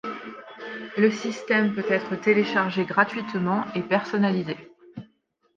Le système peut être téléchargé gratuitement et personnalisé.